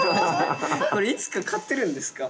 いつか勝てるんですか？